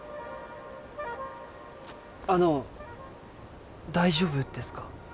あの大丈夫ですか？